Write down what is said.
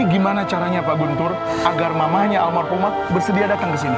gimana caranya pak guntur agar mamahnya almarhumah bersedia datang ke sini